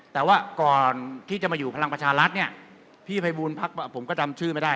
แต่ว่าก่อนที่จะมาอยู่พลังประชารัฐเนี่ยพี่ภัยบูลพักผมก็จำชื่อไม่ได้